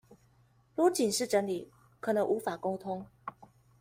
如僅是整理可能無法溝通